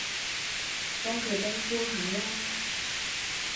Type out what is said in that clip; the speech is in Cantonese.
幫佢冰敷下啦